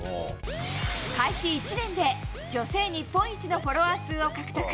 開始１年で女性日本一のフォロワー数を獲得。